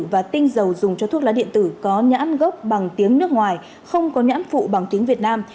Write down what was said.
và tinh dầu dùng cho thuốc lá điện tử có nhãn gốc bằng tiếng nước ngoài không có nhãn phụ bằng tiếng việt nam